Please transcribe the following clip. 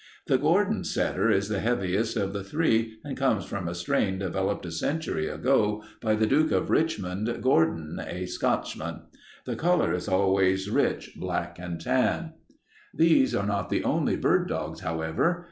"The Gordon setter is the heaviest of the three and comes from a strain developed a century ago by the Duke of Richmond Gordon, a Scotchman. The color is always rich black and tan. "These are not the only bird dogs, however.